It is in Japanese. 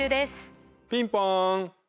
ピンポン！